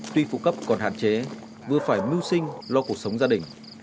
tuy phụ cấp còn hạn chế vừa phải mưu sinh lo cuộc sống gia đình